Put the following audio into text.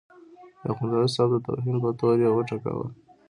د اخندزاده صاحب د توهین په تور یې وټکاوه.